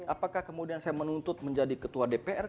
apakah kemudian saya menuntut menjadi ketua dpr